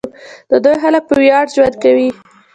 د دوی خلک په ویاړ ژوند کوي.